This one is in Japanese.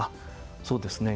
そうですね。